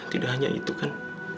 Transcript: tidak hanya itu kan